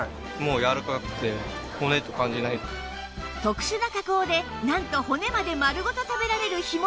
特殊な加工でなんと骨まで丸ごと食べられる干物